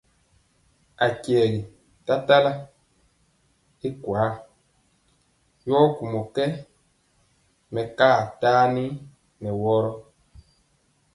Akyegi talega i nkwaaŋ, yɔ kumɔ kɛn mɛkaa tani nɛ wɔrɔ.